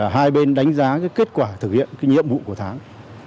hai bên đánh giá kết quả thực hiện nhiệm vụ của tháng